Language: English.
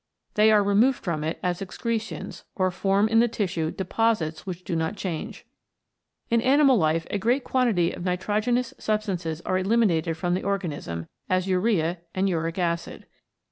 They are removed from it as excretions, or form in the tissue deposits which do not change. In animal life a great quantity of nitrogenous sub stances are eliminated from the organism, as urea and uric acid.